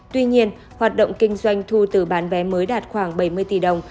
tuy nhiên hoạt động kinh doanh thu từ bán vé mới đạt khoảng bảy mươi tỷ đồng